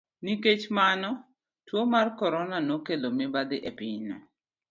Nikech mano, tuo mar Corona nokelo mibadhi e pinyno.